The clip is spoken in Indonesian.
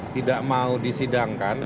tidak mau disidangkan